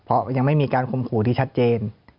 เพราะยังไม่มีการคมขู่ที่ชัดเจน